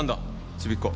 ちびっ子。